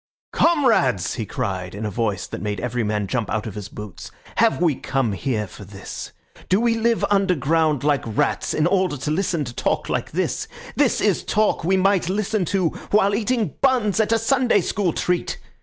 "Comrades!" he cried, in a voice that made every man jump out of his boots, "have we come here for this? Do we live underground like rats in order to listen to talk like this? This is talk we might listen to while eating buns at a Sunday School treat.